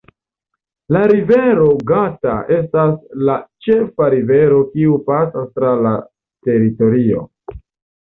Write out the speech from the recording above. La Rivero Gata estas la ĉefa rivero kiu pasas tra la teritorio.